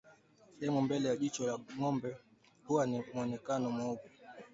Sehemu ya mbele ya jicho la ngombe huwa na mwonekano mweupe